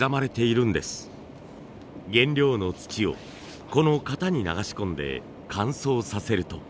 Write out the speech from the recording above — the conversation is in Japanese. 原料の土をこの型に流し込んで乾燥させると。